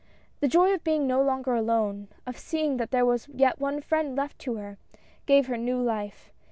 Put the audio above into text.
The joy of being no longer alone — of see ing that there was yet one friend left to her, gave her new life.